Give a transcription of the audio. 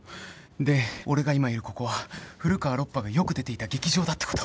で俺が今いるここは古川ロッパがよく出ていた劇場だってこと。